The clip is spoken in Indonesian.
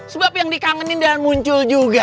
sebab yang dikangenin dan muncul juga